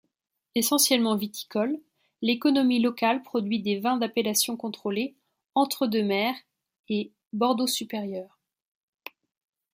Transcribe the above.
Essentiellement viticole, l'économie locale produit des vins d'appellation contrôlée entre-deux-mers et bordeaux-supérieur.